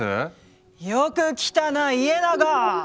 よく来たな家長。